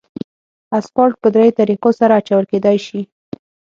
اسفالټ په دریو طریقو سره اچول کېدای شي